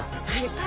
はい。